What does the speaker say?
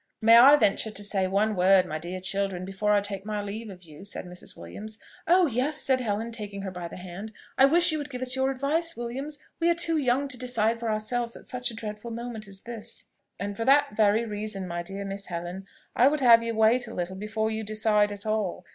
"May I venture to say one word, my dear children, before I take my leave of you?" said Mrs. Williams. "Oh yes," said Helen, taking her by the hand; "I wish you would give us your advice, Williams: we are too young to decide for ourselves at such a dreadful moment as this." "And for that very reason, my dear Miss Helen, I would have you wait a little before you decide at all.